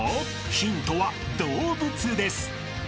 ［ヒントは「動物」です］